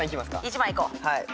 １番いこう。